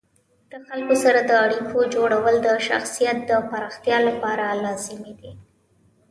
د خلکو سره د اړیکو جوړول د شخصیت د پراختیا لپاره لازمي دي.